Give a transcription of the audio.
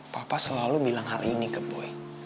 papa selalu bilang hal ini ke boy